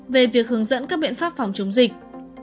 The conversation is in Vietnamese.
về việc hướng dẫn các biện pháp phòng chống dịch